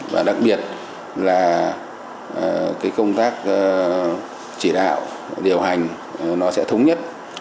và đặc biệt là công tác chỉ đạo điều hành nó sẽ thống nhất